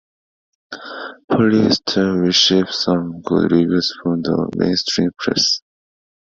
"Polyester" received some good reviews from the mainstream press.